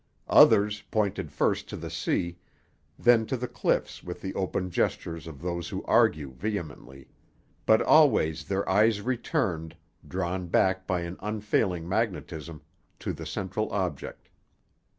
Others pointed first to the sea, then to the cliffs with the open gestures of those who argue vehemently. But always their eyes returned, drawn back by an unfailing magnetism, to the central object.